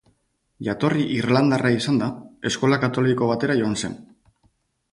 Jatorri irlandarra izanda, eskola katoliko batera joan zen.